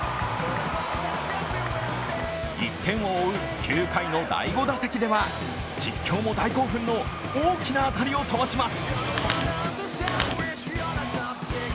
１点を追う９回の第５打席では実況も大興奮の大きな当たりを飛ばします。